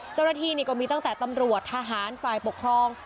เจ้าหน้าที่นี่ก็มีตั้งแต่ตำรวจทหารฝ่ายปกครอง